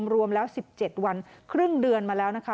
รวมแล้ว๑๗วันครึ่งเดือนมาแล้วนะคะ